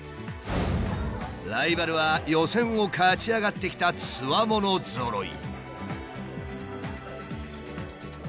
ライバルは予選を勝ち上がってきたつわものぞろい。